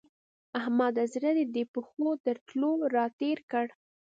احمده! زړه دې د پښو تر تلو راتېر کړ.